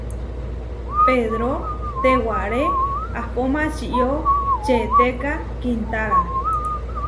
Pedró tewaré ahpó mačió četéka kiintára.